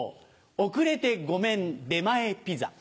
遅れてごめん出前ピザ。